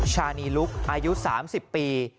ชานีลุกอายุ๓๐ปี